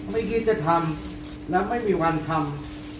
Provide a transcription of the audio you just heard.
ไม่คิดจะทำและไม่มีวันทำ